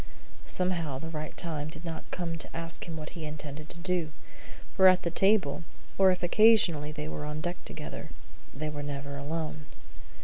Somehow the right time did not come to ask him what he intended to do; for at the table, or if occasionally they were on deck together, they were never alone.